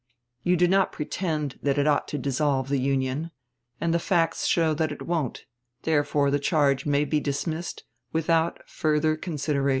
You do not pretend that it ought to dissolve the Union, and the facts show that it won't; therefore the charge may be dismissed without further consideration.